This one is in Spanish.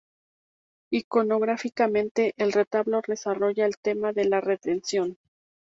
Iconográficamente, el retablo desarrolla el tema de la Redención.